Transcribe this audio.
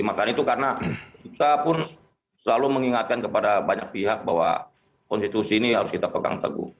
makanya itu karena kita pun selalu mengingatkan kepada banyak pihak bahwa konstitusi ini harus kita pegang teguh